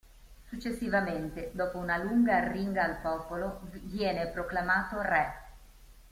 Successivamente, dopo una lunga arringa al popolo, viene proclamato re.